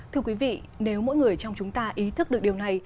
thưa quý vị nếu mỗi người trong chúng ta ý thức được điều này